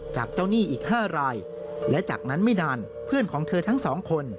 จากเจ้าหนี้อีก๕รายและจากนั้นไม่นานเพื่อนของเธอทั้งสองคน